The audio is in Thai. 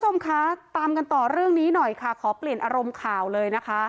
คุณผู้ชมคะตามกันต่อเรื่องนี้หน่อยค่ะขอเปลี่ยนอารมณ์ข่าวเลยนะคะ